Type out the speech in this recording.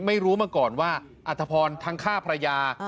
ไม่รู้มาก่อนว่าอัธพรทั้งฆ่าภรรยา